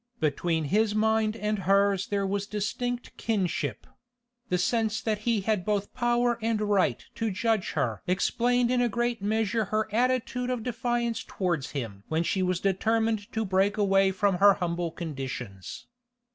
Between his mind and hers there was distinct kinship; the sense that he had both power and right to judge her explained in a great measure her attitude of defiance towards him when she was determined to break away from her humble conditions.